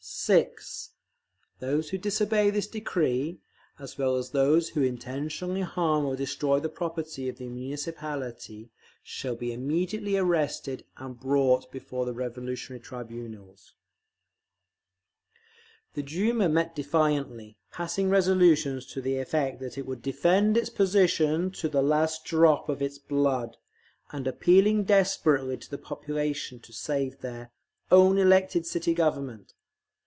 (6) Those who disobey this decree, as well as those who intentionally harm or destroy the property of the Municipality, shall be immediately arrested and brought before the Revolutionary Tribunals…. The Duma met defiantly, passing resolutions to the effect that it would "defend its position to the last drop of its blood," and appealing desperately to the population to save their "own elected City Government."